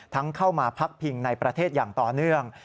เข้ามาพักพิงในประเทศอย่างต่อเนื่อง